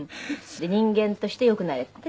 人間として良くなれって？